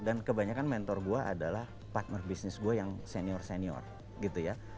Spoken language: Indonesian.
dan kebanyakan mentor gue adalah partner bisnis gue yang senior senior gitu ya